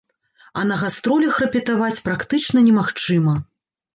А на гастролях рэпетаваць практычна немагчыма.